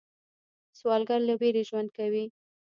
سوالګر له ویرې ژوند کوي